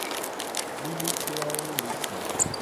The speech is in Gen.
Lilikpoawo le zo.